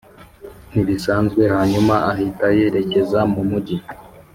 ntibisanzwe hanyuma ahita yerekeza mu mujyi